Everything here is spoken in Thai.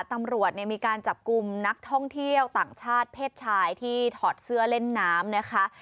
ตำรวจมีการจับกลุ่มนักท่องเที่ยวต่างชาติเพศชายที่ถอดเสื้อเล่นน้ำนะคะ